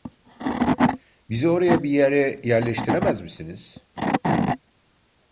Bizi oraya bir yere yerleştiremez misiniz?